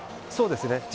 そうですね。